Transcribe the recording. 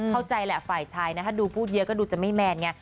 เข้าใจแหละฝ่ายชายนะถ้าดูพูดเยอะก็ดูจะไม่แมนไง